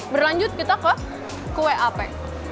berlanjut kita ke kue ape